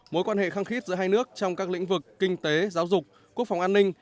mối quan hệ khăng khít giữa hai nước trong các lĩnh vực kinh tế giáo dục quốc phòng an ninh